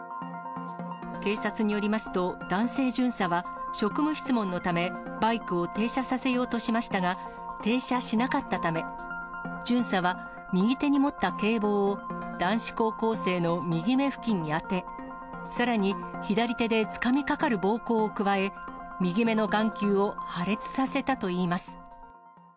警察によりますと、男性巡査は職務質問のため、バイクを停車させようとしましたが、停車しなかったため、巡査は右手に持った警棒を男子高校生の右目付近に当て、さらに左手でつかみかかる暴行を加え、右目の眼球を破裂させたといいます。